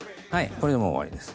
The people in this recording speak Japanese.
これでもう終わりです。